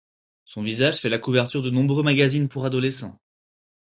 Son visage fait la couverture de nombreux magazines pour adolescents.